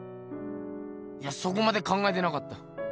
いやそこまで考えてなかった。